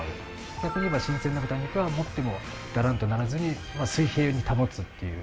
逆に言えば新鮮な豚肉は持ってもダランとならずに水平に保つっていう。